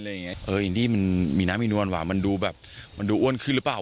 เอออินดี้มันมีน้ำอีนวลว่ะมันดูแบบมันดูอ้วนขึ้นหรือเปล่า